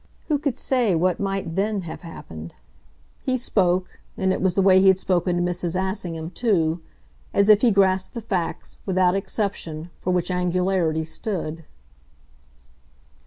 who could say what might THEN have happened? He spoke and it was the way he had spoken to Mrs. Assingham too as if he grasped the facts, without exception, for which angularity stood.